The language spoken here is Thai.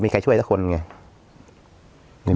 มีใครช่วยสักคนไง